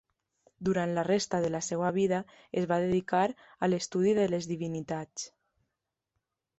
Durant la resta de la seva vida es va dedicar a l'estudi de les divinitats.